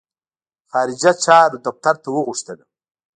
خارجه چارو دفتر ته وغوښتلم.